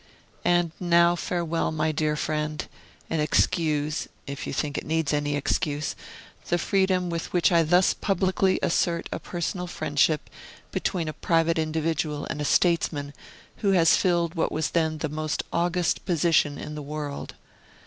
And now farewell, my dear friend; and excuse (if you think it needs any excuse) the freedom with which I thus publicly assert a personal friendship between a private individual and a statesman who has filled what was then the most august position in the world.